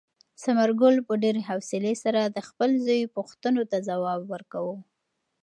ثمرګل په ډېرې حوصلې سره د خپل زوی پوښتنو ته ځواب ورکاوه.